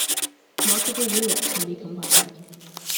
Multiple units can be combined.